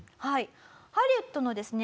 ハリウッドのですね